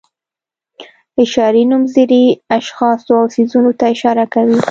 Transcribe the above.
اشاري نومځري اشخاصو او څیزونو ته اشاره کوي.